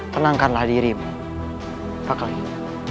tenangkanlah dirimu pak keling